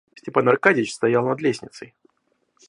Степан Аркадьич стоял над лестницей.